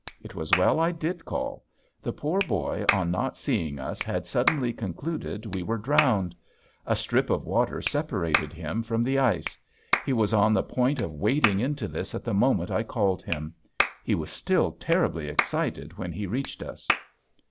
It was well I did call. The poor boy on not seeing us had suddenly concluded we were drowned. A strip of water separated him from the ice. He was on the point of wading into this at the moment I called him. He was still terribly excited when he reached us.